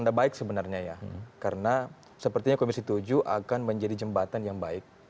tidak baik sebenarnya ya karena sepertinya komisi tujuh akan menjadi jembatan yang baik